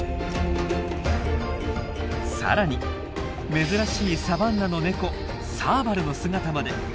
更に珍しいサバンナのネコサーバルの姿まで。